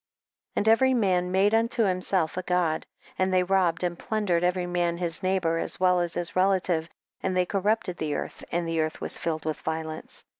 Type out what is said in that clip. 17. And every man made unto himself a god, and they robbed and plundered every man his neighbor as well as his relative, and they cor rupted the earth, and the earth was ■filled with violence.